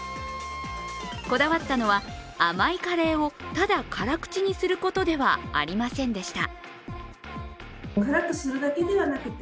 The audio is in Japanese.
こだわったのは、甘いカレーをただ辛口にすることではありませんでした。